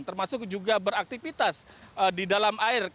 termasuk juga beraktivitas di dalam air